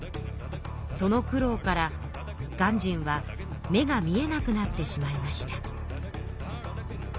その苦労から鑑真は目が見えなくなってしまいました。